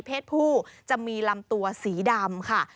เพศผู้จะมีลำตัวสีดำค่ะ